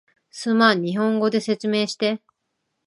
すまん、日本語で説明して